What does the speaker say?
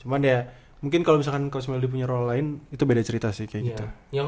cuman ya mungkin kalau misalkan coach meldi punya role lain itu beda cerita sih kayak gitu